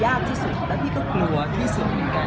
ที่สุดแล้วพี่ก็กลัวที่สุดเหมือนกัน